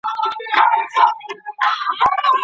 ایا بهرني سوداګر پسته پلوري؟